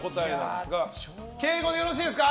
敬語でよろしいですか？